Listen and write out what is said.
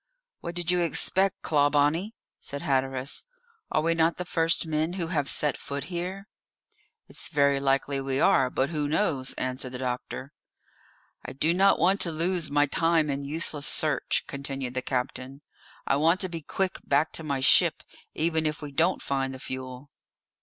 "What did you expect, Clawbonny?" said Hatteras. "Are we not the first men who have set foot here?" "It's very likely we are, but who knows?" answered the doctor. "I do not want to lose my time in useless search," continued the captain; "I want to be quick back to my ship, even if we don't find the fuel."